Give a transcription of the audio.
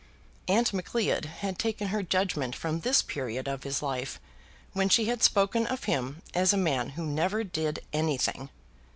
Aunt Macleod had taken her judgement from this period of his life when she had spoken of him as a man who never did anything.